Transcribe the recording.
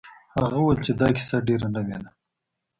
هغه وویل چې دا کیسه ډیره نوې ده.